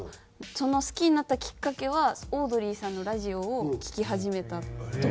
その好きになったきっかけはオードリーさんのラジオを聴き始めたところ。